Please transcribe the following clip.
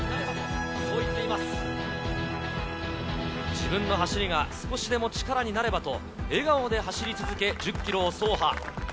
自分の走りが少しでも力になればと、笑顔で走り続け、１０キロを走破。